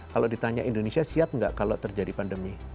kalau ditanya indonesia siap nggak kalau terjadi pandemi